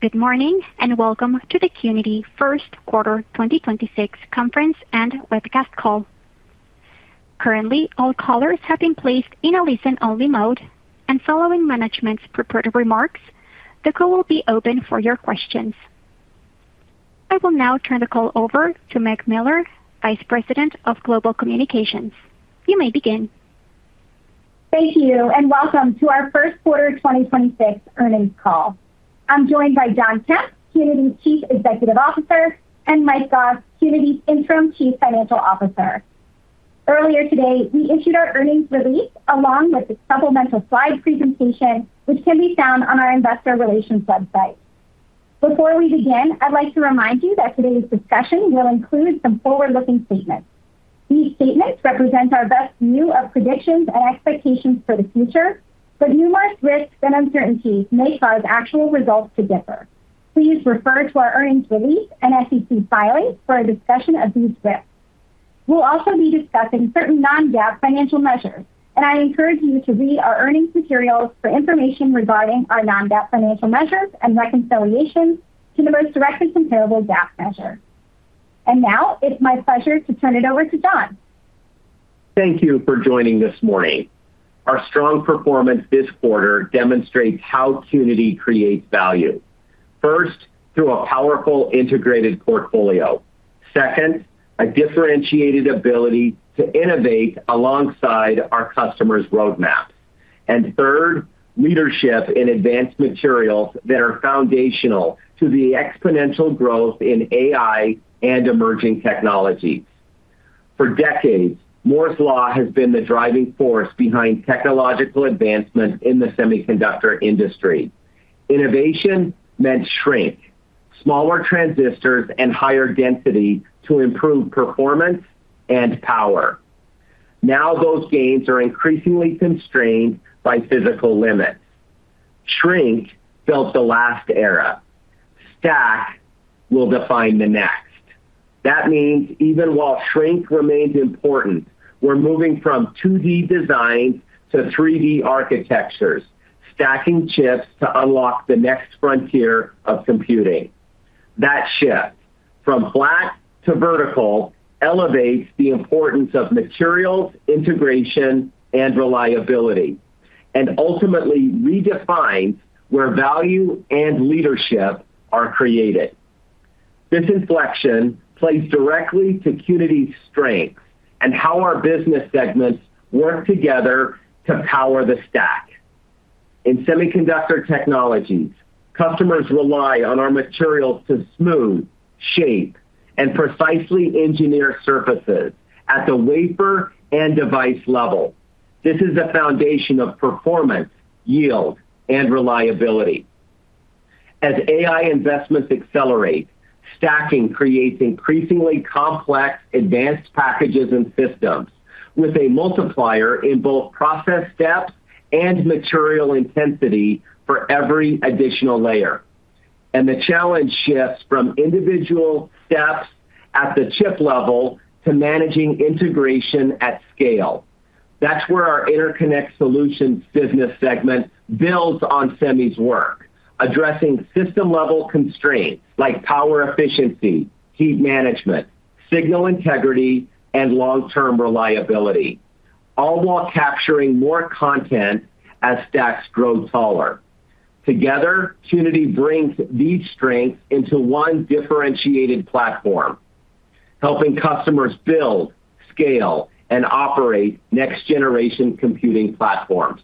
Good morning, and welcome to the Qnity 1st quarter 2026 conference and webcast call. Currently, all callers have been placed in a listen-only mode, and following management's prepared remarks, the call will be open for your questions. I will now turn the call over to Meg Miller, Vice President of Global Communications. You may begin. Thank you. Welcome to our first quarter 2026 earnings call. I'm joined by Jon Kemp, Qnity Chief Executive Officer, and Mike Goss, Qnity's Interim Chief Financial Officer. Earlier today, we issued our earnings release along with the supplemental slide presentation, which can be found on our investor relations website. Before we begin, I'd like to remind you that today's discussion will include some forward-looking statements. These statements represent our best view of predictions and expectations for the future. Numerous risks and uncertainties may cause actual results to differ. Please refer to our earnings release and SEC filings for a discussion of these risks. We'll also be discussing certain non-GAAP financial measures. I encourage you to read our earnings materials for information regarding our non-GAAP financial measures and reconciliation to the most directly comparable GAAP measure. Now it's my pleasure to turn it over to Jon. Thank you for joining this morning. Our strong performance this quarter demonstrates how Qnity creates value. First, through a powerful integrated portfolio. Second, a differentiated ability to innovate alongside our customers' roadmaps. Third, leadership in advanced materials that are foundational to the exponential growth in AI and emerging technologies. For decades, Moore's Law has been the driving force behind technological advancement in the semiconductor industry. Innovation meant shrink, smaller transistors and higher density to improve performance and power. Now, those gains are increasingly constrained by physical limits. Shrink built the last era. Stack will define the next. That means even while shrink remains important, we're moving from 2D designs to 3D architectures, stacking chips to unlock the next frontier of computing. That shift from flat to vertical elevates the importance of materials, integration, and reliability, and ultimately redefines where value and leadership are created. This inflection plays directly to Qnity's strengths and how our business segments work together to power the stack. In Semiconductor Technologies, customers rely on our materials to smooth, shape, and precisely engineer surfaces at the wafer and device level. This is the foundation of performance, yield, and reliability. As AI investments accelerate, stacking creates increasingly complex advanced packages and systems with a multiplier in both process steps and material intensity for every additional layer. The challenge shifts from individual steps at the chip level to managing integration at scale. That's where our Interconnect Solutions business segment builds on Semi's work, addressing system-level constraints like power efficiency, heat management, signal integrity, and long-term reliability, all while capturing more content as stacks grow taller. Together, Qnity brings these strengths into one differentiated platform, helping customers build, scale, and operate next-generation computing platforms.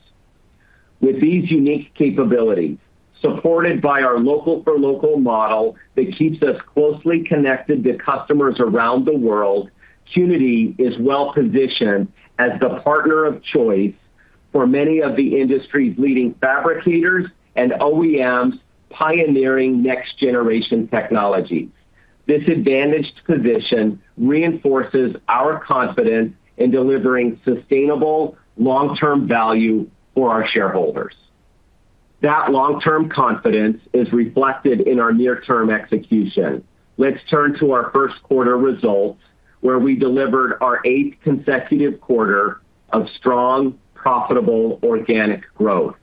With these unique capabilities, supported by our local for local model that keeps us closely connected to customers around the world, Qnity is well-positioned as the partner of choice for many of the industry's leading fabricators and OEMs pioneering next-generation technologies. This advantaged position reinforces our confidence in delivering sustainable long-term value for our shareholders. That long-term confidence is reflected in our near-term execution. Let's turn to our first quarter results, where we delivered our eighth consecutive quarter of strong, profitable organic growth.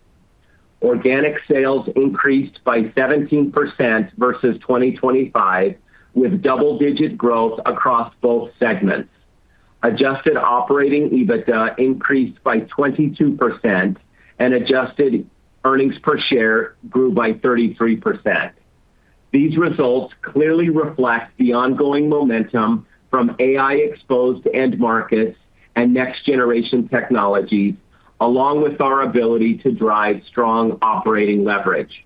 Organic sales increased by 17% versus 2025, with double-digit growth across both segments. Adjusted operating EBITDA increased by 22%, and adjusted earnings per share grew by 33%. These results clearly reflect the ongoing momentum from AI-exposed end markets and next-generation technologies, along with our ability to drive strong operating leverage.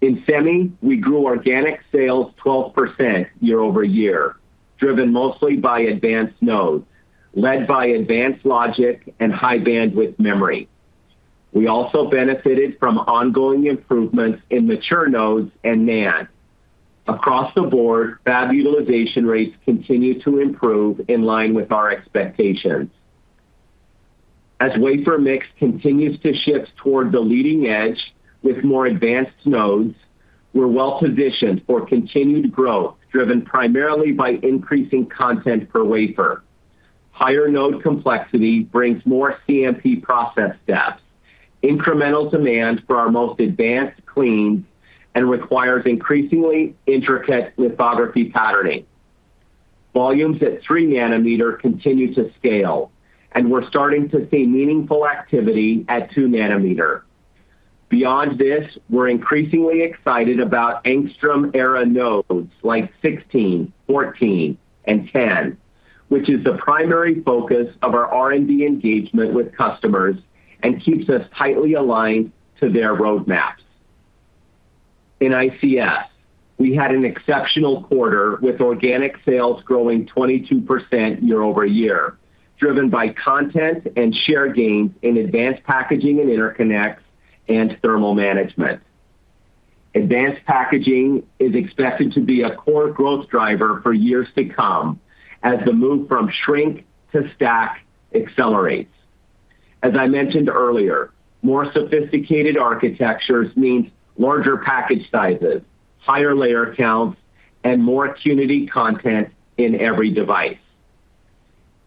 In Semi, we grew organic sales 12% year-over-year, driven mostly by advanced nodes, led by advanced logic and High Bandwidth Memory. We also benefited from ongoing improvements in mature nodes and NAND. Across the board, fab utilization rates continue to improve in line with our expectations. As wafer mix continues to shift toward the leading edge with more advanced nodes, we're well-positioned for continued growth, driven primarily by increasing content per wafer. Higher node complexity brings more CMP process steps, incremental demand for our most advanced cleans, and requires increasingly intricate lithography patterning. Volumes at 3 nanometer continue to scale, and we're starting to see meaningful activity at 2 nanometer. Beyond this, we're increasingly excited about Angstrom-era nodes like 16, 14, and 10, which is the primary focus of our R&D engagement with customers and keeps us tightly aligned to their roadmaps. In ICS, we had an exceptional quarter with organic sales growing 22% year-over-year, driven by content and share gains in advanced packaging and interconnects and thermal management. Advanced packaging is expected to be a core growth driver for years to come as the move from shrink to stack accelerates. As I mentioned earlier, more sophisticated architectures means larger package sizes, higher layer counts, and more Qnity content in every device.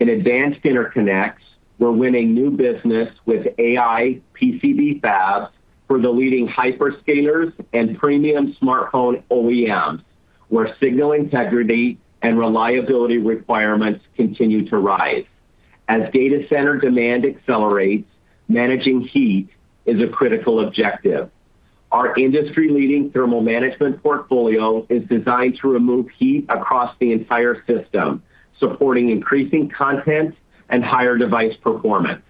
In advanced interconnects, we're winning new business with AI PCB fabs for the leading hyperscalers and premium smartphone OEMs, where signal integrity and reliability requirements continue to rise. As data center demand accelerates, managing heat is a critical objective. Our industry-leading thermal management portfolio is designed to remove heat across the entire system, supporting increasing content and higher device performance.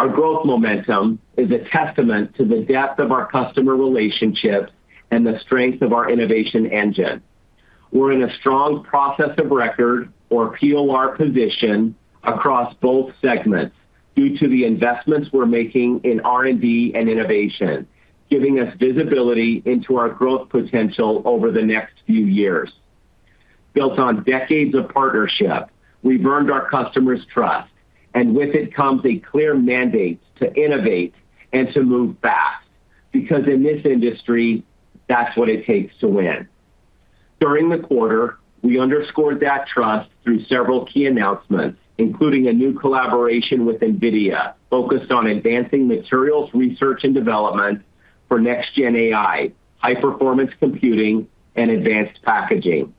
Our growth momentum is a testament to the depth of our customer relationships and the strength of our innovation engine. We're in a strong process of record or POR position across both segments due to the investments we're making in R&D and innovation, giving us visibility into our growth potential over the next few years. Built on decades of partnership, we've earned our customers' trust, and with it comes a clear mandate to innovate and to move fast, because in this industry, that's what it takes to win. During the quarter, we underscored that trust through several key announcements, including a new collaboration with NVIDIA, focused on advancing materials research and development for next gen AI, high-performance computing, and advanced packaging.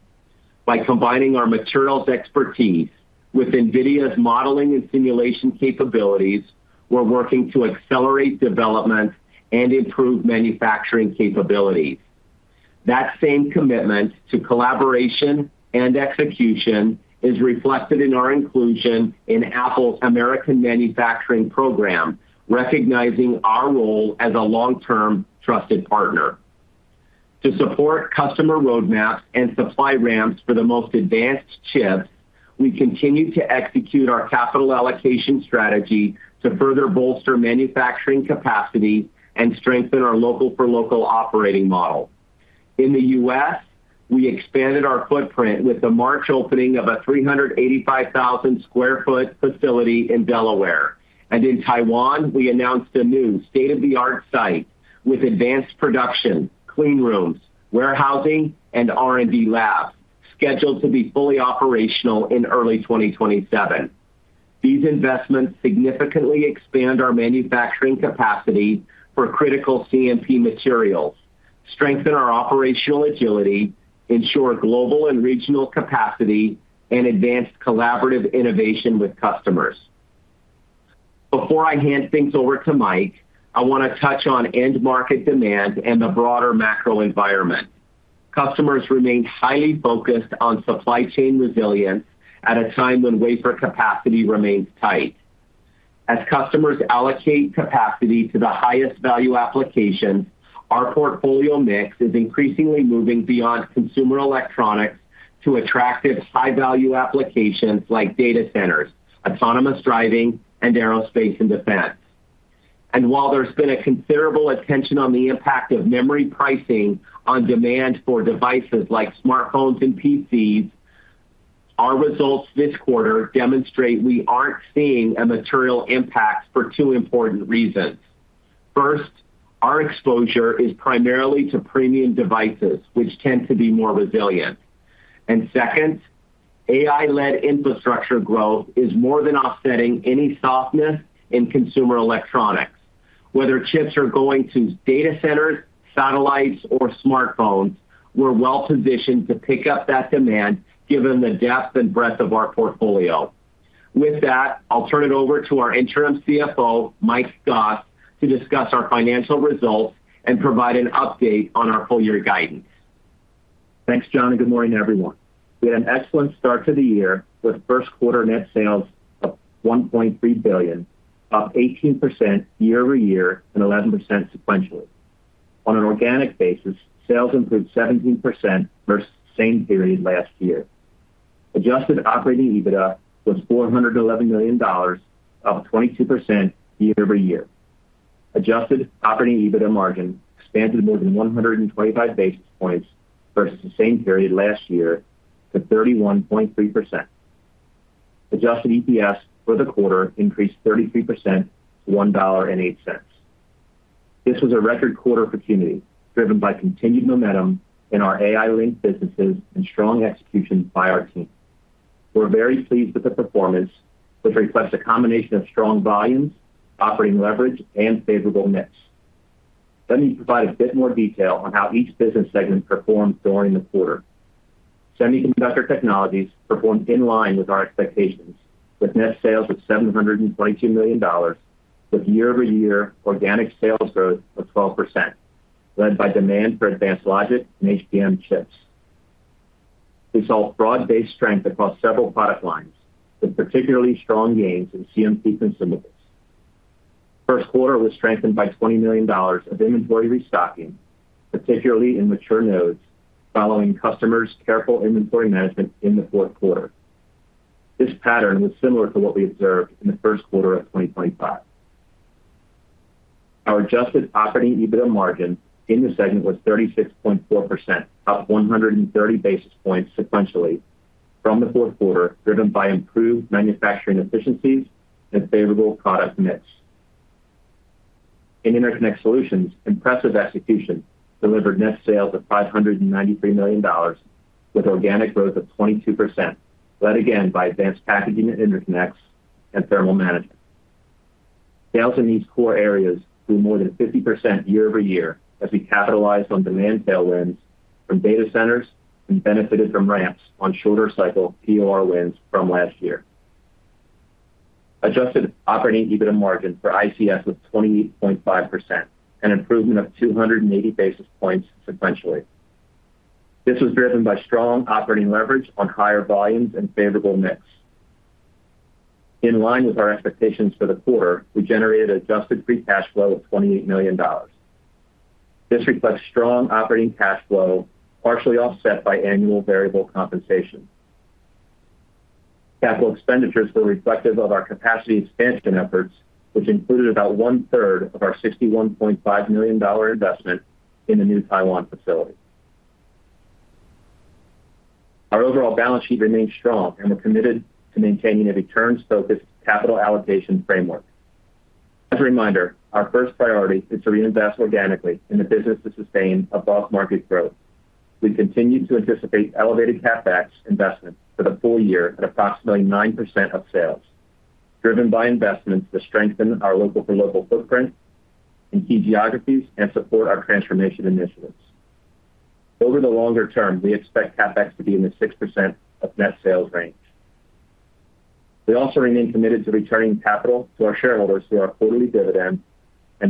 By combining our materials expertise with NVIDIA's modeling and simulation capabilities, we're working to accelerate development and improve manufacturing capabilities. That same commitment to collaboration and execution is reflected in our inclusion in Apple's American Manufacturing Program, recognizing our role as a long-term trusted partner. To support customer roadmaps and supply ramps for the most advanced chips, we continue to execute our capital allocation strategy to further bolster manufacturing capacity and strengthen our local for local operating model. In the U.S., we expanded our footprint with the March opening of a 385,000 square foot facility in Delaware. In Taiwan, we announced a new state-of-the-art site with advanced production, clean rooms, warehousing, and R&D labs scheduled to be fully operational in early 2027. These investments significantly expand our manufacturing capacity for critical CMP materials, strengthen our operational agility, ensure global and regional capacity, and advance collaborative innovation with customers. Before I hand things over to Mike, I want to touch on end market demand and the broader macro environment. Customers remain highly focused on supply chain resilience at a time when wafer capacity remains tight. As customers allocate capacity to the highest value applications, our portfolio mix is increasingly moving beyond consumer electronics to attractive high-value applications like data centers, autonomous driving, and aerospace and defense. While there's been a considerable attention on the impact of memory pricing on demand for devices like smartphones and PCs, our results this quarter demonstrate we aren't seeing a material impact for two important reasons. First, our exposure is primarily to premium devices, which tend to be more resilient. Second, AI-led infrastructure growth is more than offsetting any softness in consumer electronics. Whether chips are going to data centers, satellites, or smartphones, we're well-positioned to pick up that demand given the depth and breadth of our portfolio. With that, I'll turn it over to our interim CFO, Mike Goss, to discuss our financial results and provide an update on our full year guidance. Thanks, Jon. Good morning, everyone. We had an excellent start to the year with first quarter net sales of $1.3 billion, up 18% year-over-year and 11% sequentially. On an organic basis, sales improved 17% versus same period last year. Adjusted operating EBITDA was $411 million, up 22% year-over-year. Adjusted operating EBITDA margin expanded more than 125 basis points versus the same period last year to 31.3%. Adjusted EPS for the quarter increased 33% to $1.08. This was a record quarter for Qnity, driven by continued momentum in our AI-linked businesses and strong execution by our team. We're very pleased with the performance, which reflects a combination of strong volumes, operating leverage, and favorable mix. Let me provide a bit more detail on how each business segment performed during the quarter. Semiconductor Technologies performed in line with our expectations, with net sales of $722 million, with year-over-year organic sales growth of 12%, led by demand for advanced logic and HBM chips. We saw broad-based strength across several product lines, with particularly strong gains in CMP consumables. First quarter was strengthened by $20 million of inventory restocking, particularly in mature nodes, following customers' careful inventory management in the fourth quarter. This pattern was similar to what we observed in the first quarter of 2025. Our adjusted operating EBITDA margin in the segment was 36.4%, up 130 basis points sequentially from the fourth quarter, driven by improved manufacturing efficiencies and favorable product mix. In Interconnect Solutions, impressive execution delivered net sales of $593 million, with organic growth of 22%, led again by advanced packaging and interconnects and thermal management. Sales in these core areas grew more than 50% year-over-year as we capitalized on demand tailwinds from data centers and benefited from ramps on shorter cycle POR wins from last year. Adjusted operating EBITDA margin for ICS was 28.5%, an improvement of 280 basis points sequentially. This was driven by strong operating leverage on higher volumes and favorable mix. In line with our expectations for the quarter, we generated adjusted free cash flow of $28 million. This reflects strong operating cash flow, partially offset by annual variable compensation. Capital expenditures were reflective of our capacity expansion efforts, which included about one-third of our $61.5 million investment in the new Taiwan facility. Our overall balance sheet remains strong. We're committed to maintaining a returns-focused capital allocation framework. As a reminder, our first priority is to reinvest organically in the business to sustain above-market growth. We continue to anticipate elevated CapEx investments for the full year at approximately 9% of sales, driven by investments to strengthen our local-to-local footprint in key geographies and support our transformation initiatives. Over the longer term, we expect CapEx to be in the 6% of net sales range. We also remain committed to returning capital to our shareholders through our quarterly dividend.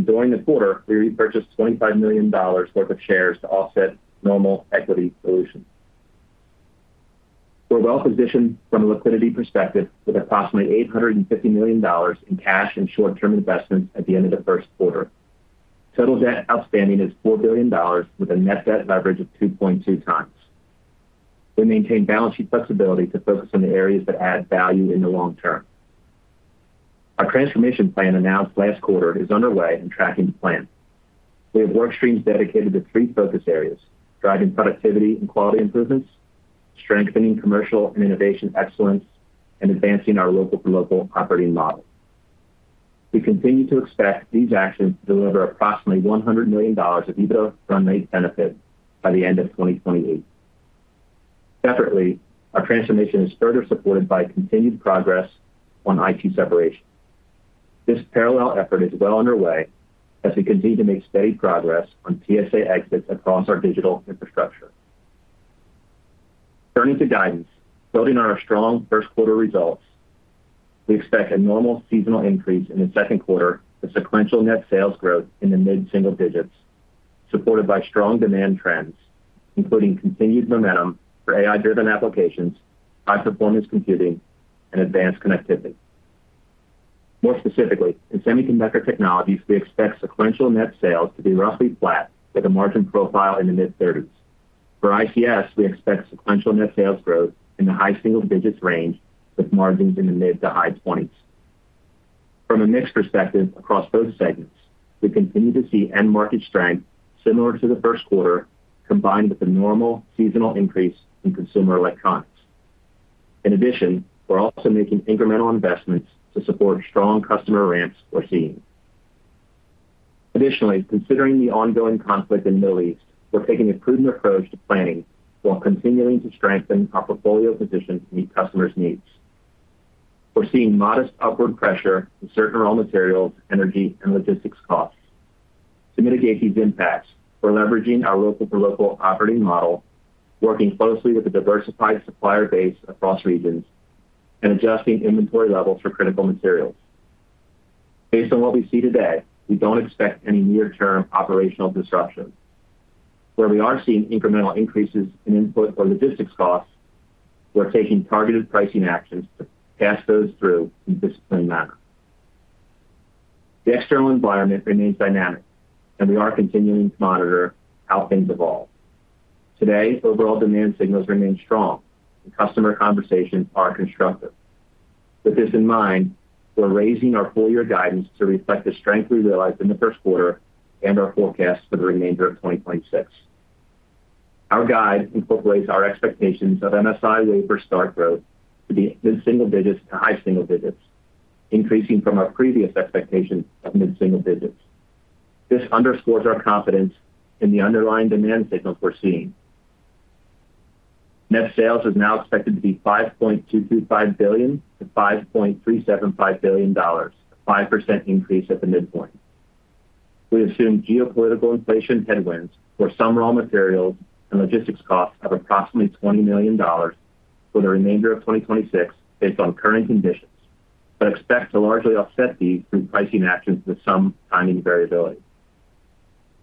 During the quarter, we repurchased $25 million worth of shares to offset normal equity dilution. We're well-positioned from a liquidity perspective with approximately $850 million in cash and short-term investments at the end of the first quarter. Total debt outstanding is $4 billion, with a net debt leverage of 2.2x. We maintain balance sheet flexibility to focus on the areas that add value in the long term. Our transformation plan announced last quarter is underway and tracking to plan. We have work streams dedicated to three focus areas: driving productivity and quality improvements, strengthening commercial and innovation excellence, and advancing our local-to-local operating model. We continue to expect these actions to deliver approximately $100 million of EBITDA run rate benefit by the end of 2028. Separately, our transformation is further supported by continued progress on IT separation. This parallel effort is well underway as we continue to make steady progress on TSA exits across our digital infrastructure. Turning to guidance, building on our strong first quarter results, we expect a normal seasonal increase in the second quarter with sequential net sales growth in the mid-single digits. Supported by strong demand trends, including continued momentum for AI-driven applications, high-performance computing, and advanced connectivity. More specifically, in Semiconductor Technologies, we expect sequential net sales to be roughly flat with a margin profile in the mid-thirties. For ICS, we expect sequential net sales growth in the high single digits range with margins in the mid to high twenties. From a mix perspective across both segments, we continue to see end market strength similar to the first quarter, combined with a normal seasonal increase in consumer electronics. In addition, we're also making incremental investments to support strong customer ramps we're seeing. Additionally, considering the ongoing conflict in the Middle East, we're taking a prudent approach to planning while continuing to strengthen our portfolio position to meet customers' needs. We're seeing modest upward pressure in certain raw materials, energy, and logistics costs. To mitigate these impacts, we're leveraging our local-to-local operating model, working closely with a diversified supplier base across regions, and adjusting inventory levels for critical materials. Based on what we see today, we don't expect any near-term operational disruptions. Where we are seeing incremental increases in input or logistics costs, we're taking targeted pricing actions to pass those through in a disciplined manner. The external environment remains dynamic, and we are continuing to monitor how things evolve. Today, overall demand signals remain strong, and customer conversations are constructive. With this in mind, we're raising our full-year guidance to reflect the strength we realized in the first quarter and our forecast for the remainder of 2026. Our guide incorporates our expectations of MSI wafer start growth to be mid-single digits to high single digits, increasing from our previous expectation of mid-single digits. This underscores our confidence in the underlying demand signals we're seeing. Net sales is now expected to be $5.225 billion-$5.375 billion, a 5% increase at the midpoint. We assume geopolitical inflation headwinds for some raw materials and logistics costs of approximately $20 million for the remainder of 2026 based on current conditions, but expect to largely offset these through pricing actions with some timing variability.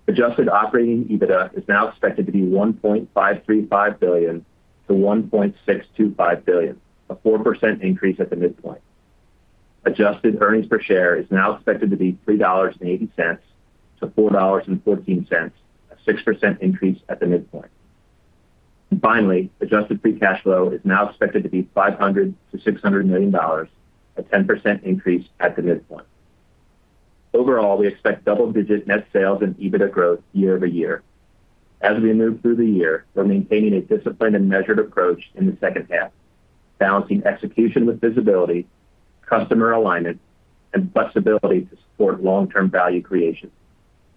Adjusted operating EBITDA is now expected to be $1.535 billion-$1.625 billion, a 4% increase at the midpoint. Adjusted earnings per share is now expected to be $3.80-$4.14, a 6% increase at the midpoint. Finally, adjusted free cash flow is now expected to be $500 million-$600 million, a 10% increase at the midpoint. Overall, we expect double-digit net sales and EBITDA growth year-over-year. As we move through the year, we're maintaining a disciplined and measured approach in the second half, balancing execution with visibility, customer alignment, and flexibility to support long-term value creation.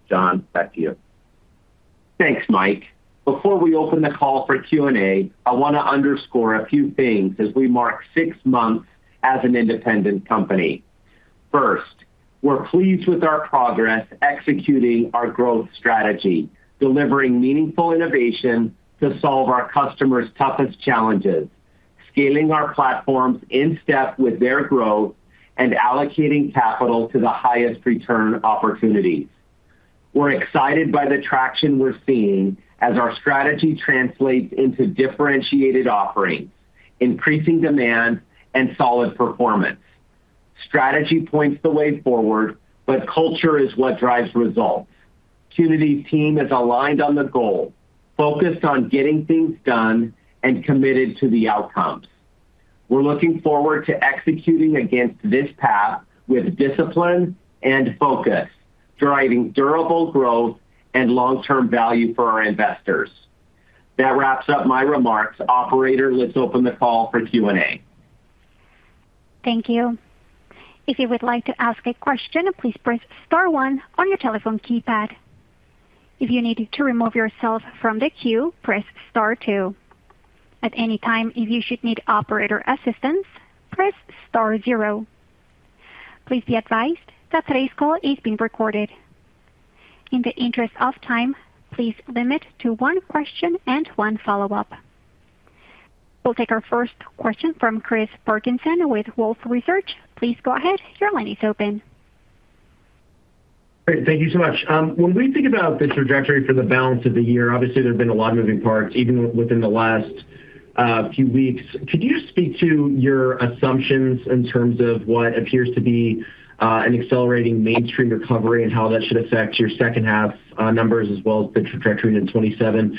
Jon, back to you. Thanks, Mike. Before we open the call for Q&A, I want to underscore a few things as we mark six months as an independent company. First, we're pleased with our progress executing our growth strategy, delivering meaningful innovation to solve our customers' toughest challenges, scaling our platforms in step with their growth, and allocating capital to the highest return opportunities. We're excited by the traction we're seeing as our strategy translates into differentiated offerings, increasing demand, and solid performance. Strategy points the way forward, but culture is what drives results. Qnity's team is aligned on the goal, focused on getting things done, and committed to the outcomes. We're looking forward to executing against this path with discipline and focus, driving durable growth and long-term value for our investors. That wraps up my remarks. Operator, let's open the call for Q&A. Thank you. If you would like to ask a question, please press star one on your telephone keypad. If you need to remove yourself from the queue, press star two. At any time, if you should need operator assistance, press star zero. Please be advised that today's call is being recorded. In the interest of time, please limit to one question and one follow-up. We'll take our first question from Chris Parkinson with Wolfe Research. Please go ahead. Your line is open. Great. Thank you so much. When we think about the trajectory for the balance of the year, obviously there have been a lot of moving parts, even within the last few weeks. Could you speak to your assumptions in terms of what appears to be an accelerating mainstream recovery and how that should affect your second half numbers as well as the trajectory in 2027?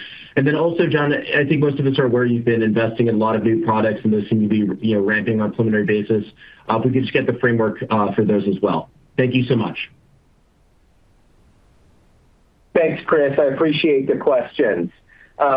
Also, Jon, I think most of us are aware you've been investing in a lot of new products, and those seem to be, you know, ramping on a preliminary basis. If we could just get the framework for those as well. Thank you so much. Thanks, Chris. I appreciate the questions.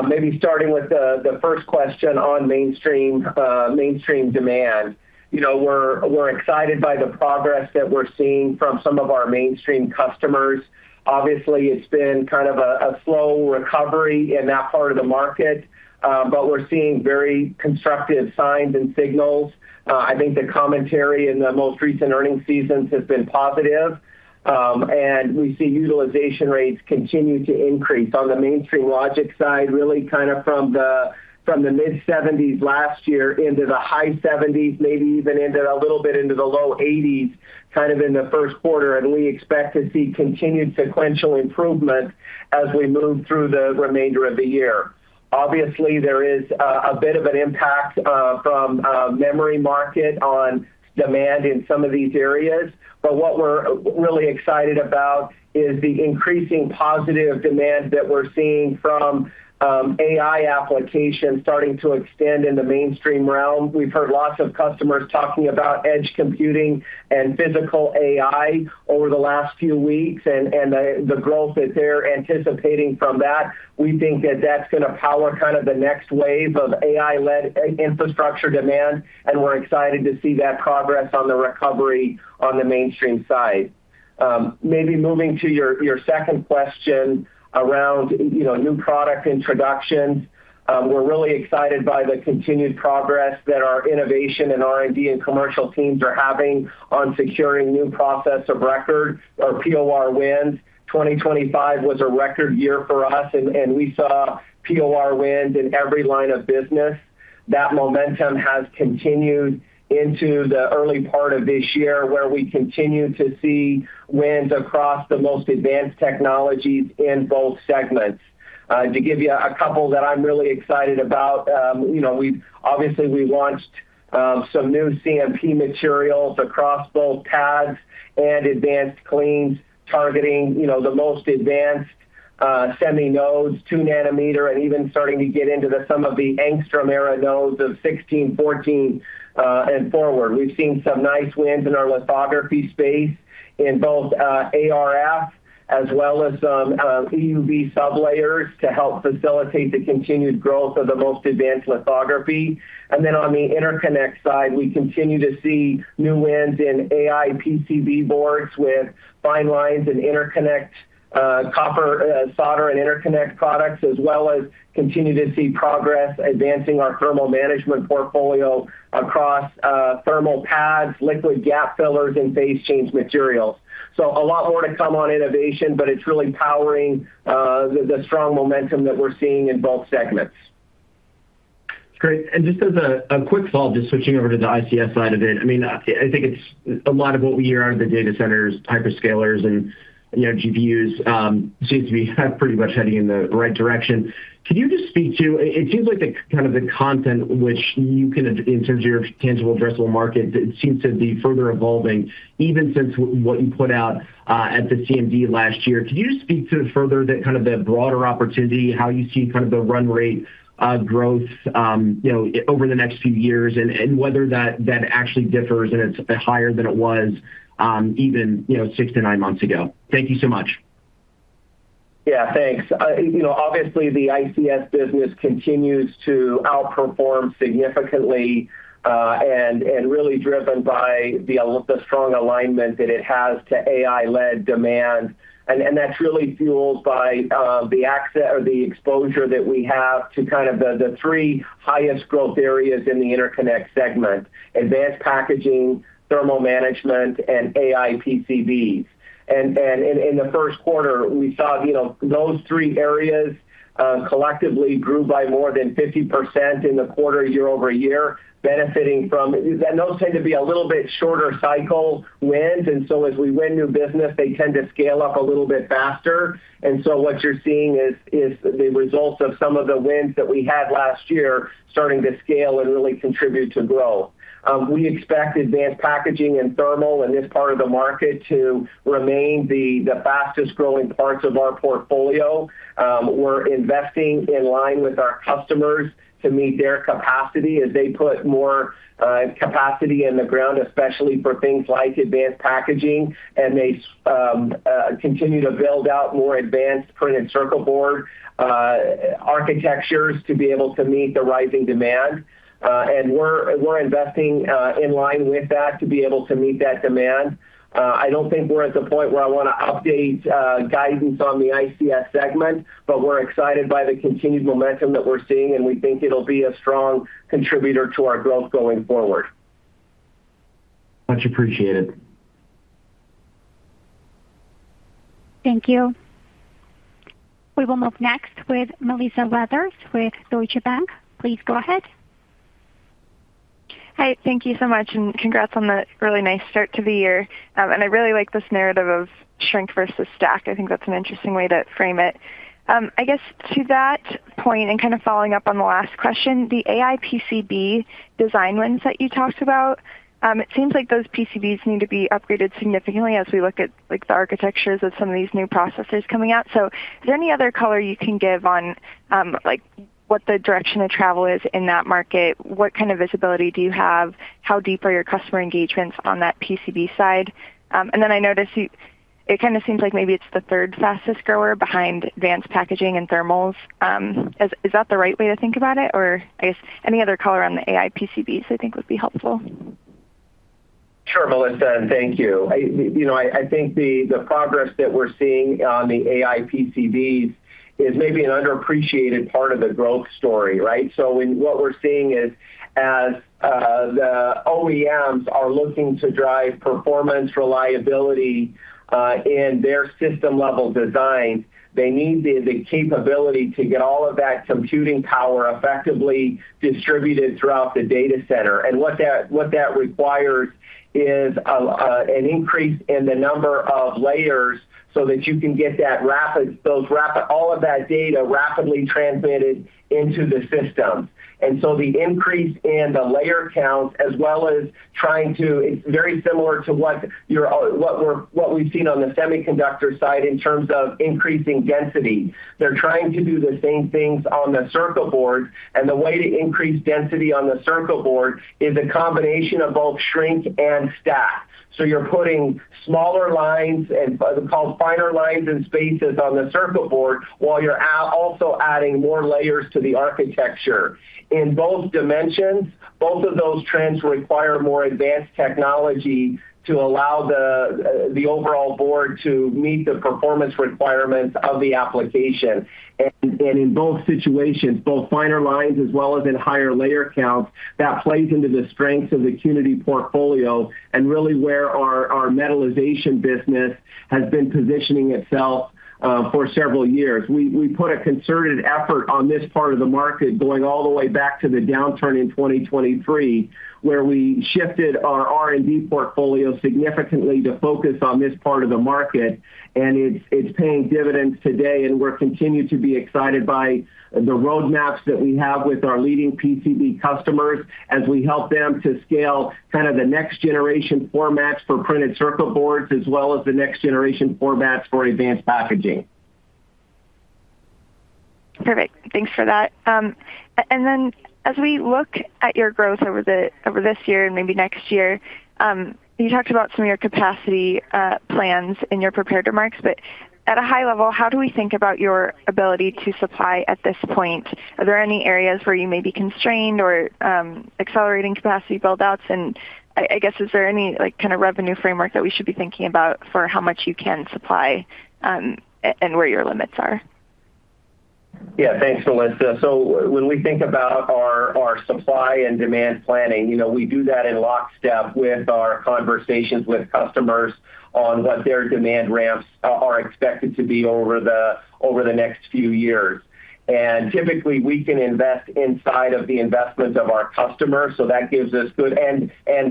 Maybe starting with the 1st question on mainstream demand. You know, we're excited by the progress that we're seeing from some of our mainstream customers. Obviously, it's been kind of a slow recovery in that part of the market, but we're seeing very constructive signs and signals. I think the commentary in the most recent earnings seasons has been positive, and we see utilization rates continue to increase. On the mainstream logic side, really kind of from the mid-70s last year into the high 70s, maybe even into a little bit into the low 80s, kind of in the 1st quarter, and we expect to see continued sequential improvement as we move through the remainder of the year. Obviously, there is a bit of an impact from memory market on demand in some of these areas. What we're really excited about is the increasing positive demand that we're seeing from AI applications starting to extend in the mainstream realm. We've heard lots of customers talking about edge computing and physical AI over the last few weeks and the growth that they're anticipating from that. We think that that's gonna power kind of the next wave of AI-led infrastructure demand, and we're excited to see that progress on the recovery on the mainstream side. Maybe moving to your second question around, you know, new product introductions. We're really excited by the continued progress that our innovation and R&D and commercial teams are having on securing new Process of Record or POR wins. 2025 was a record year for us, and we saw POR wins in every line of business. That momentum has continued into the early part of this year, where we continue to see wins across the most advanced technologies in both segments. To give you a couple that I'm really excited about, obviously, we launched some new CMP materials across both pads and advanced cleans targeting the most advanced Semi nodes, 2 nanometer, and even starting to get into some of the Angstrom-era nodes of 16, 14, and forward. We've seen some nice wins in our lithography space in both ArF as well as EUV sublayers to help facilitate the continued growth of the most advanced lithography. On the interconnect side, we continue to see new wins in AI PCB boards with fine lines and interconnect, copper, solder and interconnect products, as well as continue to see progress advancing our thermal management portfolio across thermal pads, liquid gap fillers, and phase change materials. A lot more to come on innovation, but it's really powering the strong momentum that we're seeing in both segments. Great. Just as a quick follow-up, just switching over to the ICS side of it. I mean, I think it's a lot of what we hear out of the data centers, hyperscalers, and, you know, GPUs, seems to be pretty much heading in the right direction. Could you just speak to It seems like the kind of the content which you can, in terms of your tangible addressable market, it seems to be further evolving even since what you put out at the CMD last year. Could you just speak to further the kind of the broader opportunity, how you see kind of the run rate growth, you know, over the next few years, and whether that actually differs and it's higher than it was even, you know, six to nine months ago? Thank you so much. Yeah, thanks. You know, obviously, the ICS business continues to outperform significantly, really driven by the strong alignment that it has to AI-led demand. That's really fueled by the exposure that we have to the three highest growth areas in the interconnect segment: advanced packaging, thermal management, and AI PCBs. In the 1st quarter, we saw, you know, those three areas collectively grew by more than 50% in the quarter year-over-year. Those tend to be a little bit shorter cycle wins, and so as we win new business, they tend to scale up a little bit faster. What you're seeing is the results of some of the wins that we had last year starting to scale and really contribute to growth. We expect advanced packaging and thermal in this part of the market to remain the fastest-growing parts of our portfolio. We're investing in line with our customers to meet their capacity as they put more capacity in the ground, especially for things like advanced packaging, and they continue to build out more advanced printed circuit board architectures to be able to meet the rising demand. We're investing in line with that to be able to meet that demand. I don't think we're at the point where I wanna update guidance on the ICS segment, but we're excited by the continued momentum that we're seeing, and we think it'll be a strong contributor to our growth going forward. Much appreciated. Thank you. We will move next with Melissa Weathers with Deutsche Bank. Please go ahead. Hi. Thank you so much, and congrats on the really nice start to the year. I really like this narrative of shrink versus stack. I think that's an interesting way to frame it. I guess to that point, and kind of following up on the last question, the AI PCB design wins that you talked about, it seems like those PCBs need to be upgraded significantly as we look at, like, the architectures of some of these new processors coming out. Is there any other color you can give on, like, what the direction of travel is in that market? What kind of visibility do you have? How deep are your customer engagements on that PCB side? I noticed it kind of seems like maybe it's the third fastest grower behind advanced packaging and thermals. Is that the right way to think about it? I guess any other color on the AI PCBs I think would be helpful. Sure, Melissa, and thank you. You know, I think the progress that we're seeing on the AI PCBs is maybe an underappreciated part of the growth story, right? What we're seeing is as the OEMs are looking to drive performance reliability in their system-level design, they need the capability to get all of that computing power effectively distributed throughout the data center. What that requires is an increase in the number of layers so that you can get all of that data rapidly transmitted into the system. The increase in the layer count as well as it's very similar to what we've seen on the semiconductor side in terms of increasing density. They're trying to do the same things on the circuit board. The way to increase density on the circuit board is a combination of both shrink and stack. You're putting smaller lines, they're called finer lines and spaces on the circuit board, while you're also adding more layers to the architecture. In both dimensions, both of those trends require more advanced technology to allow the overall board to meet the performance requirements of the application. In both situations, both finer lines as well as in higher layer counts, that plays into the strength of the Qnity portfolio and really where our metallization business has been positioning itself for several years. We put a concerted effort on this part of the market going all the way back to the downturn in 2023, where we shifted our R&D portfolio significantly to focus on this part of the market. It's paying dividends today, and we're continued to be excited by the road maps that we have with our leading PCB customers as we help them to scale kind of the next-generation formats for printed circuit boards, as well as the next-generation formats for advanced packaging. Perfect. Thanks for that. Then as we look at your growth over this year and maybe next year, you talked about some of your capacity plans in your prepared remarks, but at a high level, how do we think about your ability to supply at this point? Are there any areas where you may be constrained or accelerating capacity build outs? I guess, is there any, like, kind of revenue framework that we should be thinking about for how much you can supply and where your limits are? Yeah. Thanks, Melissa. When we think about our supply and demand planning, you know, we do that in lockstep with our conversations with customers on what their demand ramps are expected to be over the next few years. Typically, we can invest inside of the investments of our customers,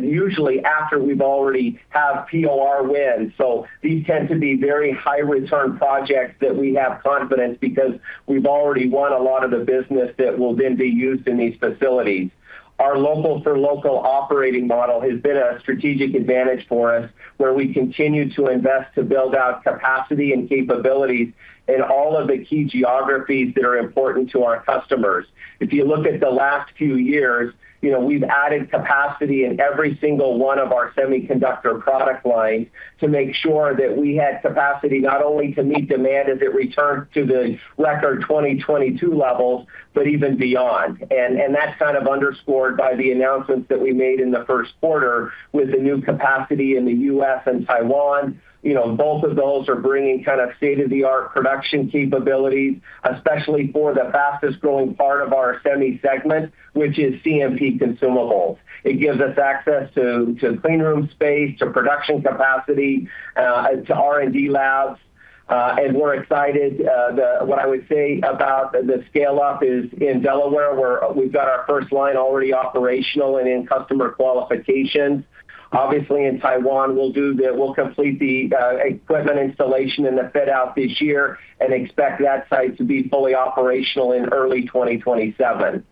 usually after we've already have POR wins. These tend to be very high return projects that we have confidence because we've already won a lot of the business that will then be used in these facilities. Our local for local operating model has been a strategic advantage for us, where we continue to invest to build out capacity and capabilities in all of the key geographies that are important to our customers. If you look at the last few years, you know, we've added capacity in every single one of our semiconductor product lines to make sure that we had capacity not only to meet demand as it returned to the record 2022 levels, but even beyond. That's kind of underscored by the announcements that we made in the first quarter with the new capacity in the U.S. and Taiwan. You know, both of those are bringing kind of state-of-the-art production capabilities, especially for the fastest growing part of our Semi segment, which is CMP consumables. It gives us access to clean room space, to production capacity, to R&D labs, and we're excited. What I would say about the scale up is in Delaware, we've got our first line already operational and in customer qualification. Obviously, in Taiwan, we'll complete the equipment installation and the fit out this year and expect that site to be fully operational in early 2027.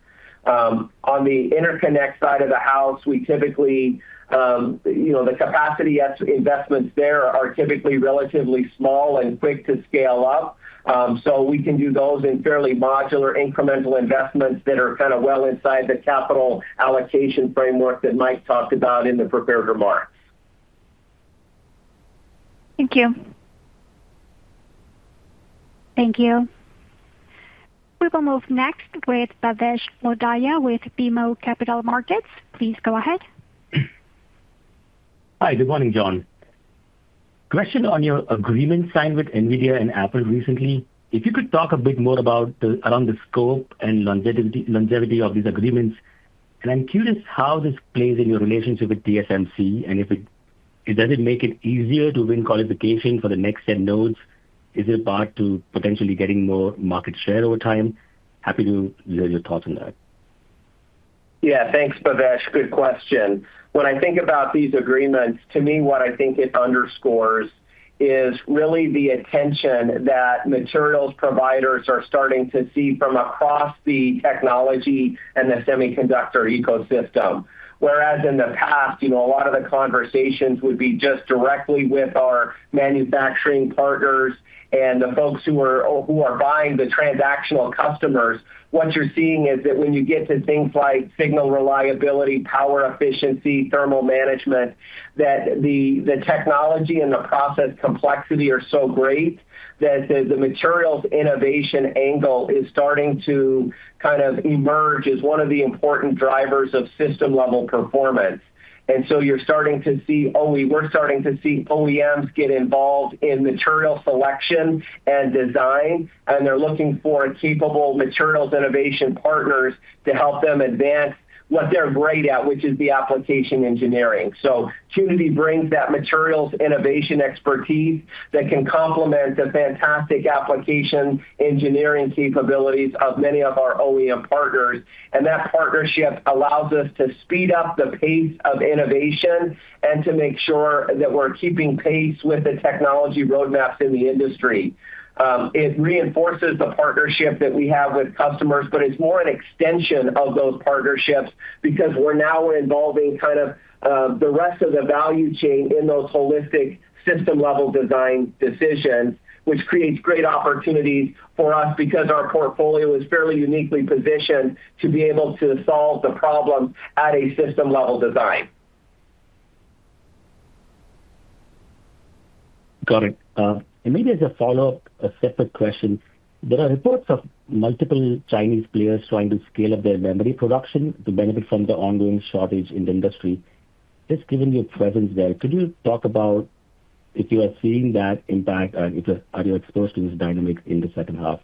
On the interconnect side of the house, we typically, you know, the capacity CapEx investments there are typically relatively small and quick to scale up. We can do those in fairly modular incremental investments that are kind of well inside the capital allocation framework that Mike talked about in the prepared remarks. Thank you. Thank you. We will move next with Bhavesh Lodaya with BMO Capital Markets. Please go ahead. Hi, good morning, Jon. Question on your agreement signed with NVIDIA and Apple recently. If you could talk a bit more around the scope and longevity of these agreements. I'm curious how this plays in your relationship with TSMC. Does it make it easier to win qualification for the next gen nodes? Is it a path to potentially getting more market share over time? Happy to hear your thoughts on that. Yeah. Thanks, Bhavesh. Good question. When I think about these agreements, to me, what I think it underscores is really the attention that materials providers are starting to see from across the technology and the semiconductor ecosystem. Whereas in the past, you know, a lot of the conversations would be just directly with our manufacturing partners and the folks who are buying the transactional customers. What you're seeing is that when you get to things like signal reliability, power efficiency, thermal management, that the technology and the process complexity are so great that the materials innovation angle is starting to kind of emerge as one of the important drivers of system level performance. You're starting to see OEMs get involved in material selection and design, and they're looking for capable materials innovation partners to help them advance what they're great at, which is the application engineering. Qnity brings that materials innovation expertise that can complement the fantastic application engineering capabilities of many of our OEM partners. That partnership allows us to speed up the pace of innovation and to make sure that we're keeping pace with the technology roadmaps in the industry. It reinforces the partnership that we have with customers, but it's more an extension of those partnerships because we're now involving the rest of the value chain in those holistic system level design decisions, which creates great opportunities for us because our portfolio is fairly uniquely positioned to be able to solve the problem at a system level design. Got it. Maybe as a follow-up, a separate question. There are reports of multiple Chinese players trying to scale up their memory production to benefit from the ongoing shortage in the industry. Just given your presence there, could you talk about if you are seeing that impact or are you exposed to this dynamic in the second half?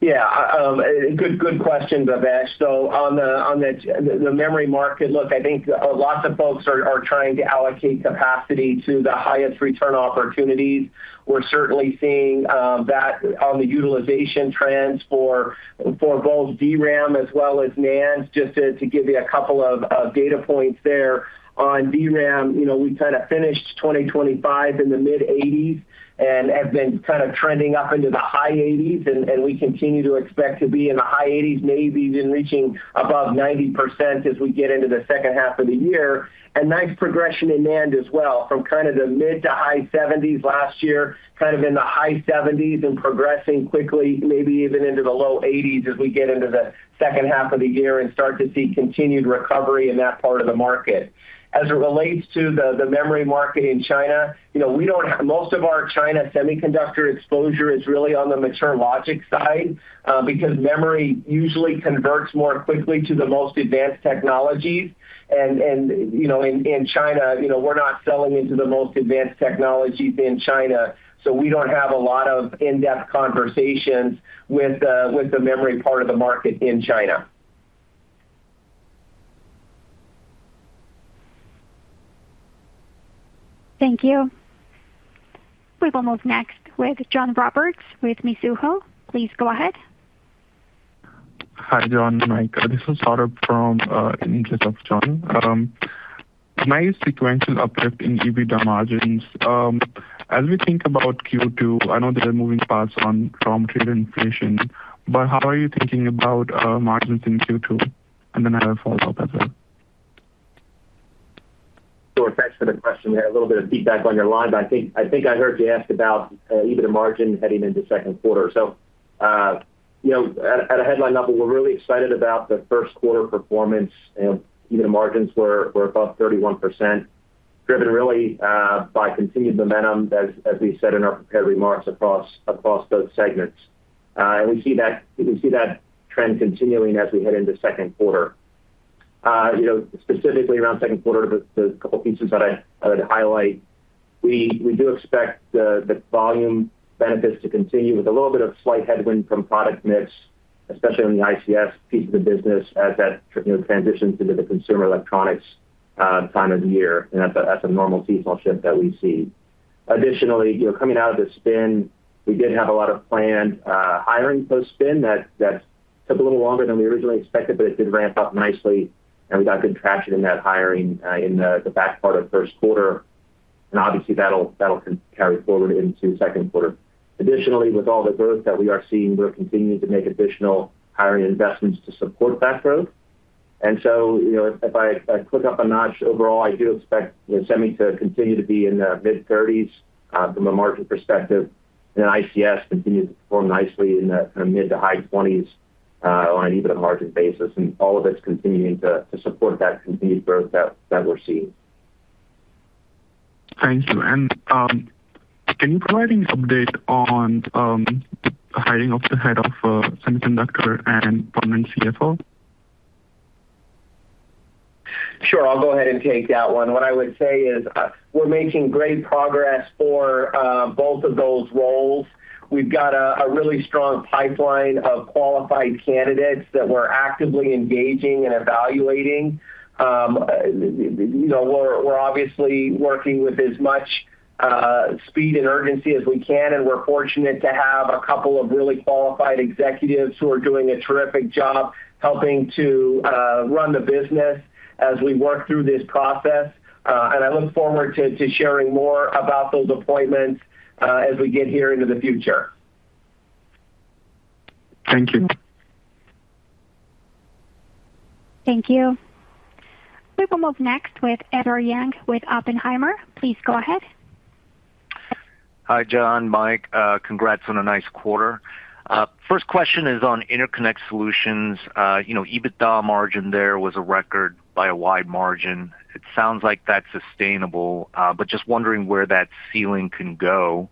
Yeah. Good question, Bhavesh. On the memory market, look, I think lots of folks are trying to allocate capacity to the highest return opportunities. We're certainly seeing that on the utilization trends for both DRAM as well as NAND. Just to give you a couple of data points there on DRAM, you know, we kind of finished 2025 in the mid-80s and have been kind of trending up into the high 80s, and we continue to expect to be in the high 80s, maybe even reaching above 90% as we get into the second half of the year. A nice progression in NAND as well from kind of the mid-70s to high 70s last year, kind of in the high 70s and progressing quickly, maybe even into the low 80s as we get into the second half of the year and start to see continued recovery in that part of the market. As it relates to the memory market in China, you know, most of our China semiconductor exposure is really on the mature logic side, because memory usually converts more quickly to the most advanced technologies. You know, in China, you know, we're not selling into the most advanced technologies in China, so we don't have a lot of in-depth conversations with the memory part of the market in China. Thank you. We will move next with John Roberts with Mizuho. Please go ahead. Hi, Jon and Mike. This is [Horeb] from in place of John. Nice sequential uplift in EBITDA margins. As we think about Q2, I know that we're moving past on raw material inflation, but how are you thinking about margins in Q2? I have a follow-up as well. Sure. Thanks for the question. We had a little bit of feedback on your line, but I think I heard you ask about EBITDA margin heading into second quarter. You know, at a headline level, we're really excited about the first quarter performance and EBITDA margins were above 31%, driven really by continued momentum as we said in our prepared remarks across both segments. We see that trend continuing as we head into second quarter. You know, specifically around second quarter, the couple pieces that I would highlight, we do expect the volume benefits to continue with a little bit of slight headwind from product mix, especially on the ICS piece of the business as that you know, transitions into the consumer electronics time of the year. That's a normal seasonal shift that we see. Additionally, you know, coming out of the spin, we did have a lot of planned hiring post-spin that took a little longer than we originally expected, but it did ramp up nicely, and we got good traction in that hiring in the back part of 1st quarter, and obviously that'll carry forward into 2nd quarter. Additionally, with all the growth that we are seeing, we're continuing to make additional hiring investments to support that growth. You know, if I click up a notch overall, I do expect, you know, Semi to continue to be in the mid 30s from a margin perspective, and then ICS continue to perform nicely in the kind of mid to high 20s on an EBITDA margin basis, and all of it's continuing to support that continued growth that we're seeing. Thank you. Can you provide any update on the hiring of the head of semiconductor and permanent CFO? Sure. I'll go ahead and take that one. What I would say is, we're making great progress for both of those roles. We've got a really strong pipeline of qualified candidates that we're actively engaging and evaluating. You know, we're obviously working with as much speed and urgency as we can, and we're fortunate to have a couple of really qualified executives who are doing a terrific job helping to run the business as we work through this process. And I look forward to sharing more about those appointments as we get here into the future. Thank you. Thank you. We will move next with Edward Yang with Oppenheimer. Please go ahead. Hi, Jon, Mike. Congrats on a nice quarter. First question is on Interconnect Solutions. You know, EBITDA margin there was a record by a wide margin. It sounds like that's sustainable, just wondering where that ceiling can go.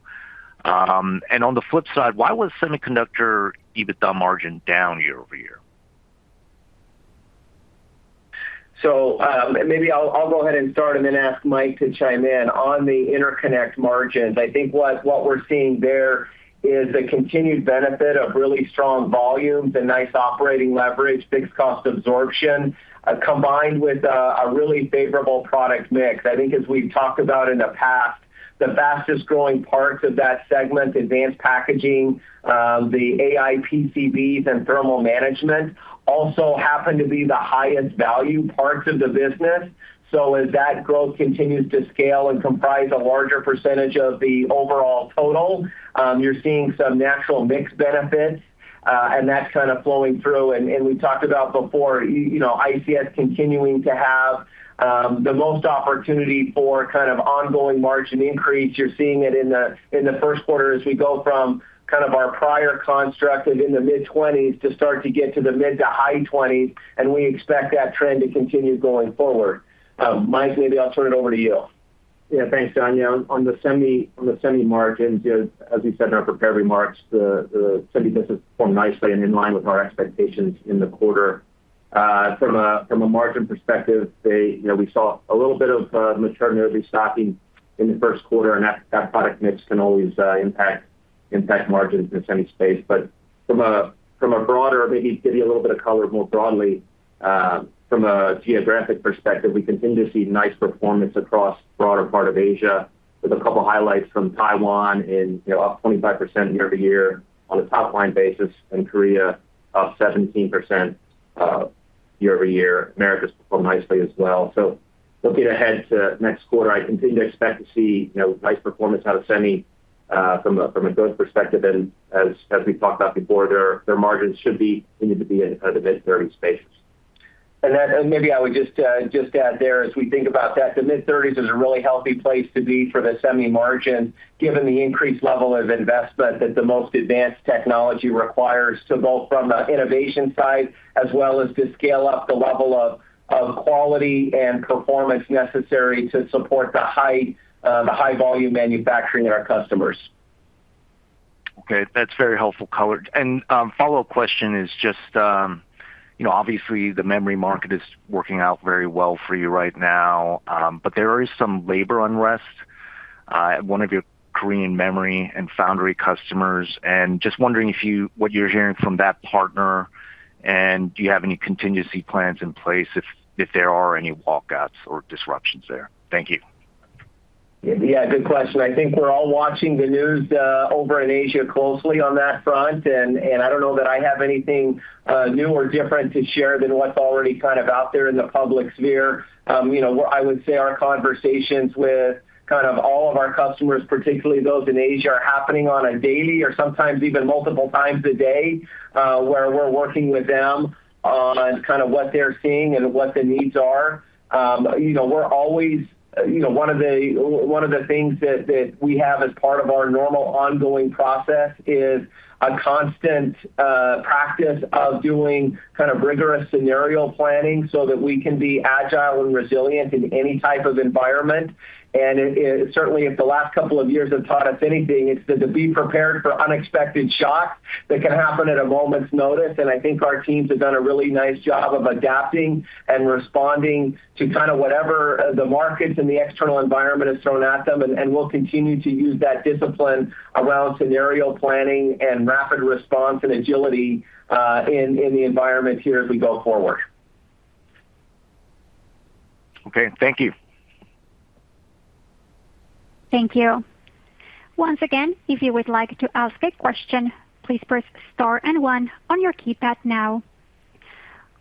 On the flip side, why was semiconductor EBITDA margin down year-over-year? Maybe I'll go ahead and start and then ask Mike to chime in. On the interconnect margins, I think what we're seeing there is the continued benefit of really strong volumes and nice operating leverage, fixed cost absorption, combined with a really favorable product mix. I think as we've talked about in the past, the fastest growing parts of that segment, advanced packaging, the AI PCBs and thermal management also happen to be the highest value parts of the business. As that growth continues to scale and comprise a larger percentage of the overall total, you're seeing some natural mix benefits, and that's kind of flowing through. We talked about before, you know, ICS continuing to have the most opportunity for kind of ongoing margin increase. You're seeing it in the, in the first quarter as we go from kind of our prior construct of in the mid-20s to start to get to the mid-to-high 20s, and we expect that trend to continue going forward. Mike, maybe I'll turn it over to you. Yeah. Thanks, Jon. Yeah, on the Semi margins, as we said in our prepared remarks, the Semi business performed nicely and in line with our expectations in the quarter. From a margin perspective, they, you know, we saw a little bit of mature node restocking in the first quarter, and that product mix can always impact margins in the Semi space. From a broader, maybe to give you a little bit of color more broadly, from a geographic perspective, we continue to see nice performance across broader part of Asia with a couple highlights from Taiwan in, you know, up 25% year-over-yea r on a top line basis, and Korea up 17% year-over-year. Americas performed nicely as well. Looking ahead to next quarter, I continue to expect to see, you know, nice performance out of Semi from a growth perspective, and as we've talked about before, their margins should be continuing to be in, at the mid-30s space. Maybe I would just add there as we think about that, the mid-30s is a really healthy place to be for the Semi margin, given the increased level of investment that the most advanced technology requires to both from an innovation side, as well as to scale up the level of quality and performance necessary to support the high volume manufacturing in our customers. Okay. That's very helpful color. Follow-up question is just, you know, obviously the memory market is working out very well for you right now, but there is some labor unrest, one of your Korean memory and foundry customers, and just wondering what you're hearing from that partner, and do you have any contingency plans in place if there are any walkouts or disruptions there? Thank you. Yeah, good question. I think we're all watching the news over in Asia closely on that front, and I don't know that I have anything new or different to share than what's already kind of out there in the public sphere. You know, what I would say our conversations with kind of all of our customers, particularly those in Asia, are happening on a daily or sometimes even multiple times a day, where we're working with them on kind of what they're seeing and what the needs are. You know, we're always, you know, one of the things that we have as part of our normal ongoing process is a constant practice of doing kind of rigorous scenario planning so that we can be agile and resilient in any type of environment. It certainly if the last couple of years have taught us anything, it's that to be prepared for unexpected shock that can happen at a moment's notice. I think our teams have done a really nice job of adapting and responding to kind of whatever the markets and the external environment has thrown at them. We'll continue to use that discipline around scenario planning and rapid response and agility in the environment here as we go forward. Okay. Thank you. Thank you. Once again, if you would like to ask a question, please press star and one on your keypad now.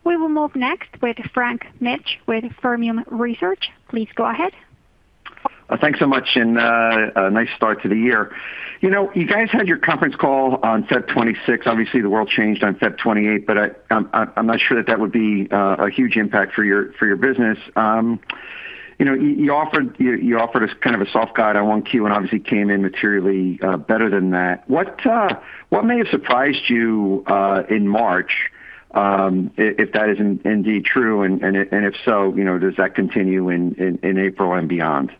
We will move next with Frank Mitsch with Fermium Research. Please go ahead. Thanks so much, a nice start to the year. You know, you guys had your conference call on February 26. Obviously, the world changed on February 28, I'm not sure that that would be a huge impact for your business. You know, you offered us kind of a soft guide on 1Q, obviously came in materially better than that. What may have surprised you in March, if that is indeed true, and if so, you know, does that continue in April and beyond?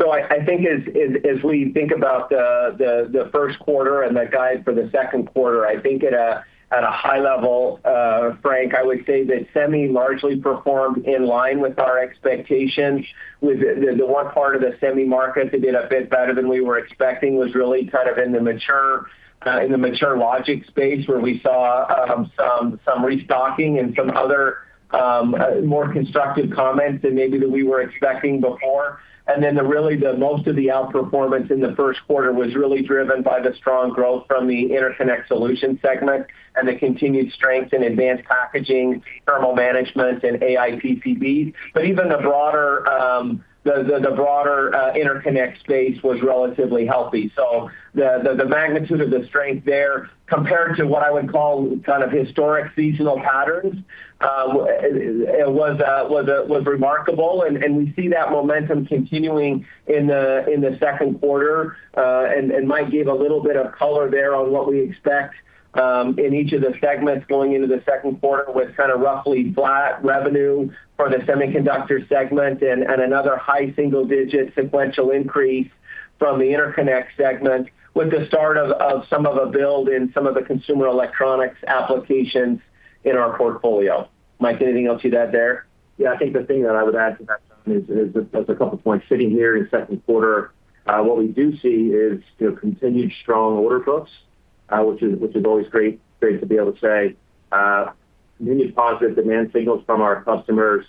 I think as we think about the first quarter and the guide for the second quarter, I think at a high level, Frank, I would say that Semi largely performed in line with our expectations. The one part of the Semi market that did a bit better than we were expecting was really kind of in the mature logic space, where we saw some restocking and some other more constructive comments than maybe that we were expecting before. Really the most of the outperformance in the first quarter was really driven by the strong growth from the Interconnect Solutions segment and the continued strength in advanced packaging, thermal management, and AI PCBs. Even the broader interconnect space was relatively healthy. The magnitude of the strength there compared to what I would call kind of historic seasonal patterns, it was remarkable. We see that momentum continuing in the second quarter. Mike gave a little bit of color there on what we expect in each of the segments going into the second quarter with kind of roughly flat revenue for the Semiconductor Technologies segment and another high single-digit sequential increase from the Interconnect Solutions segment with the start of some of a build in some of the consumer electronics applications in our portfolio. Mike, anything else you'd add there? Yeah, I think the thing that I would add to that, Frank, is just two points. Sitting here in second quarter, what we do see is, you know, continued strong order books, which is always great to be able to say. Really positive demand signals from our customers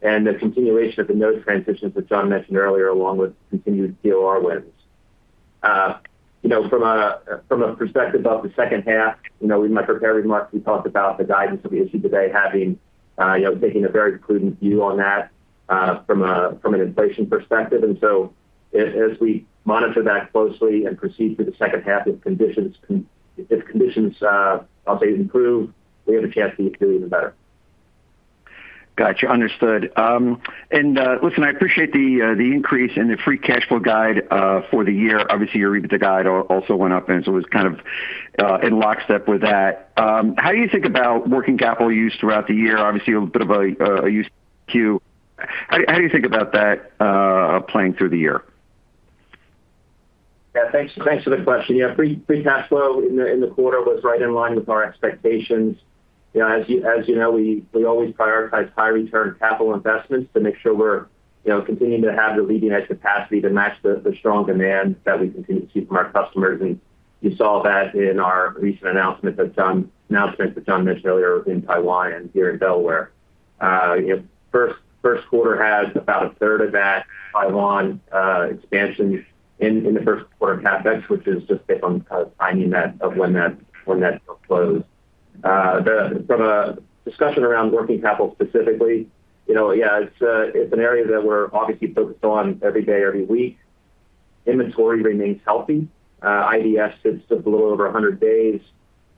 and the continuation of the node transitions that Jon mentioned earlier, along with continued POR wins. You know, from a perspective of the second half, you know, we might prepare as much. We talked about the guidance that we issued today having, you know, taking a very prudent view on that, from an inflation perspective. As we monitor that closely and proceed through the second half, if conditions update improve, we have a chance to do even better. Got you. Understood. Listen, I appreciate the increase in the free cash flow guide for the year. Obviously, your EBITDA guide also went up, it was kind of in lockstep with that. How do you think about working capital use throughout the year? Obviously, you have a bit of a use of cash. How do you think about that playing through the year? Thanks for the question. Free cash flow in the quarter was right in line with our expectations. You know, as you know, we always prioritize high return capital investments to make sure we're, you know, continuing to have the leading edge capacity to match the strong demand that we continue to see from our customers. You saw that in our recent announcement that Jon mentioned earlier in Taiwan and here in Delaware. You know, first quarter has about a third of that Taiwan expansion in the first quarter CapEx, which is just based on kind of timing when that deal closed. From a discussion around working capital specifically, you know, yeah, it's an area that we're obviously focused on every day, every week. Inventory remains healthy. DSI sits just a little over 100 days,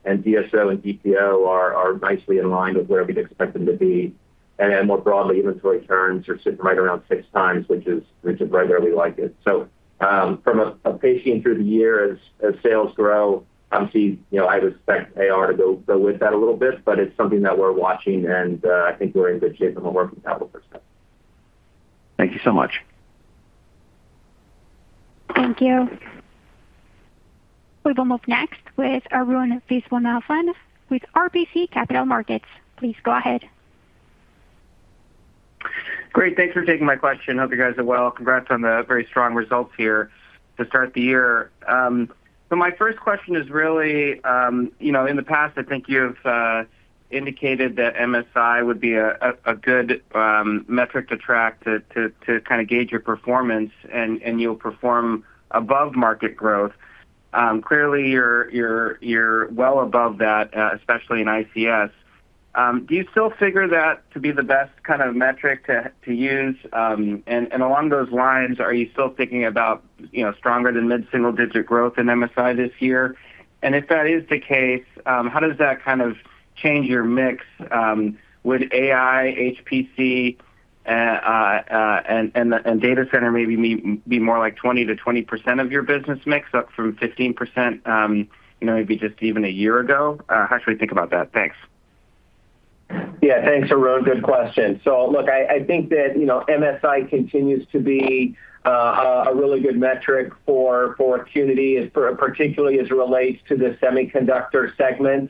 and DSO and DPO are nicely in line with where we'd expect them to be. More broadly, inventory turns are sitting right around 6 times, which is right where we like it. From a pacing through the year as sales grow, obviously, you know, I'd expect AR to go with that a little bit, but it's something that we're watching and, I think we're in good shape from a working capital perspective. Thank you so much. Thank you. We will move next with Arun Viswanathan with RBC Capital Markets. Please go ahead. Great. Thanks for taking my question. Hope you guys are well. Congrats on the very strong results here to start the year. My first question is really, you know, in the past, I think you've indicated that MSI would be a good metric to track to kind of gauge your performance and you'll perform above market growth. Clearly you're well above that, especially in ICS. Do you still figure that to be the best kind of metric to use? Along those lines, are you still thinking about, you know, stronger than mid-single-digit growth in MSI this year? If that is the case, how does that kind of change your mix? Would AI, HPC, and the data center maybe be more like 20% to 20% of your business mix up from 15%, you know, maybe just even a year ago? How should we think about that? Thanks. Yeah. Thanks, Arun. Good question. Look, I think that, you know, MSI continues to be a really good metric for Qnity, particularly as it relates to the semiconductor segment.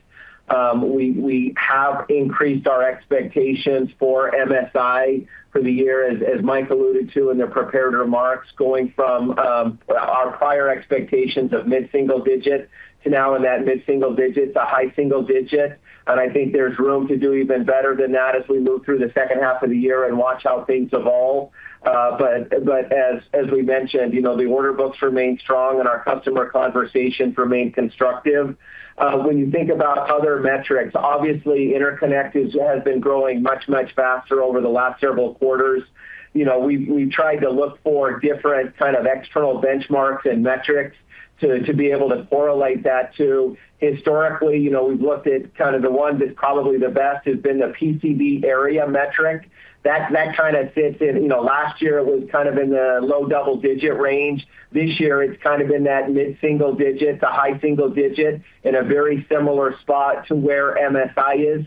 We have increased our expectations for MSI for the year, as Mike alluded to in the prepared remarks, going from our prior expectations of mid-single digit to now in that mid-single digit to high single digit. I think there's room to do even better than that as we move through the second half of the year and watch how things evolve. But as we mentioned, you know, the order books remain strong and our customer conversations remain constructive. When you think about other metrics, obviously Interconnect has been growing much, much faster over the last several quarters. You know, we tried to look for different kind of external benchmarks and metrics to be able to correlate that to. Historically, you know, we've looked at kind of the one that's probably the best has been the PCB area metric. That kind of fits in. You know, last year it was kind of in the low double-digit range. This year it's kind of in that mid-single-digit to high single-digit, in a very similar spot to where MSI is.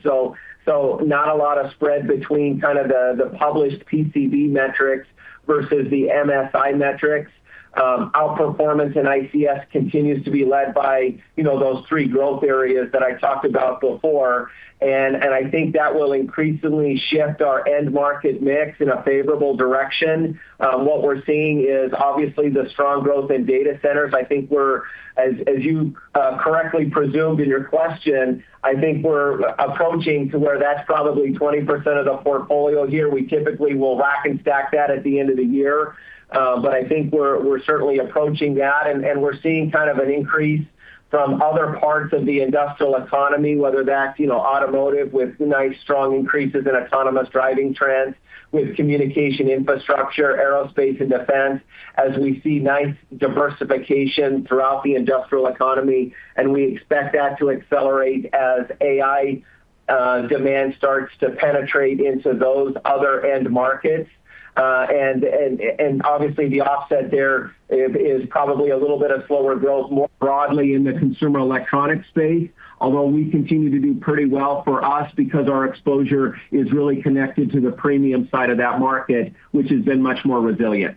Not a lot of spread between kind of the published PCB metrics versus the MSI metrics. Outperformance in ICS continues to be led by, you know, those three growth areas that I talked about before, and I think that will increasingly shift our end market mix in a favorable direction. What we're seeing is obviously the strong growth in data centers. I think we're, as you correctly presumed in your question, I think we're approaching to where that's probably 20% of the portfolio here. We typically will rack and stack that at the end of the year. But I think we're certainly approaching that, and we're seeing kind of an increase from other parts of the industrial economy, whether that's, you know, automotive with nice strong increases in autonomous driving trends, with communication infrastructure, aerospace and defense, as we see nice diversification throughout the industrial economy. We expect that to accelerate as AI demand starts to penetrate into those other end markets. Obviously the offset there is probably a little bit of slower growth more broadly in the consumer electronics space. Although we continue to do pretty well for us because our exposure is really connected to the premium side of that market, which has been much more resilient.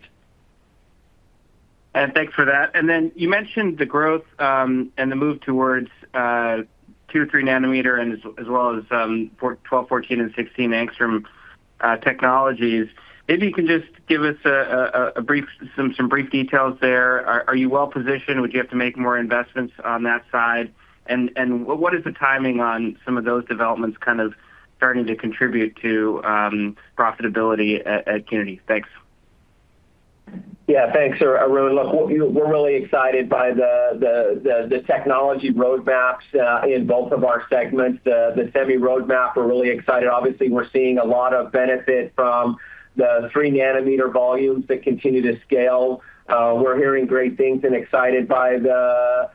Thanks for that. Then you mentioned the growth, and the move towards 2 or 3 nanometer as well as for 12, 14 and 16 angstrom technologies. Maybe you can just give us a brief, some brief details there. Are you well-positioned? Would you have to make more investments on that side? What is the timing on some of those developments kind of starting to contribute to profitability at Qnity? Thanks. Thanks, Arun. We're really excited by the technology roadmaps in both of our segments. The Semi roadmap, we're really excited. Obviously, we're seeing a lot of benefit from the 3 nanometer volumes that continue to scale. We're hearing great things and excited by the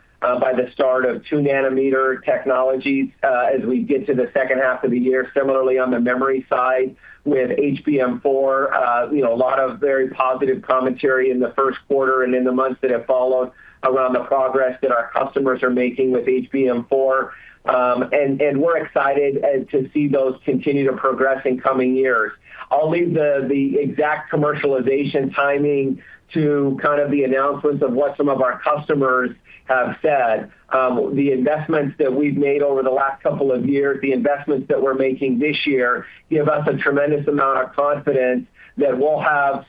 start of 2 nanometer technologies as we get to the second half of the year. Similarly, on the memory side with HBM4, you know, a lot of very positive commentary in the first quarter and in the months that have followed around the progress that our customers are making with HBM4. We're excited to see those continue to progress in coming years. I'll leave the exact commercialization timing to kind of the announcements of what some of our customers have said. The investments that we've made over the last couple of years, the investments that we're making this year give us a tremendous amount of confidence that we'll have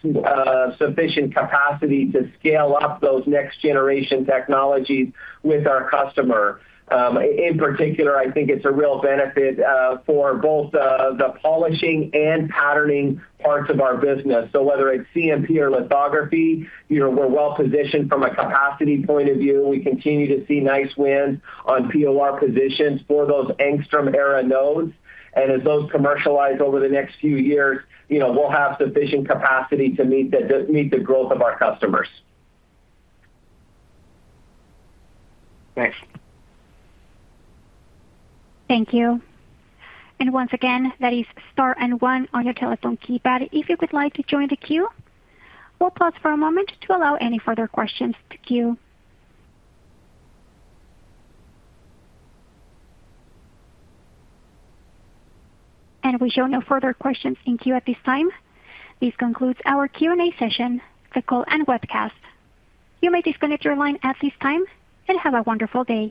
sufficient capacity to scale up those next generation technologies with our customer. In particular, I think it's a real benefit for both the polishing and patterning parts of our business. Whether it's CMP or lithography, you know, we're well-positioned from a capacity point of view. We continue to see nice wins on POR positions for those angstrom-era nodes. As those commercialize over the next few years, you know, we'll have sufficient capacity to meet the growth of our customers. Thanks. Thank you. And once again, that is star and one on your telephone keypad if you would like to join the queue. We'll pause for a moment to allow any further questions to queue. And we show no further questions in queue at this time. This concludes our Q&A session, the call, and webcast. You may disconnect your line at this time, and have a wonderful day.